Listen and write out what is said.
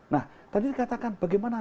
nah tadi dikatakan bagaimana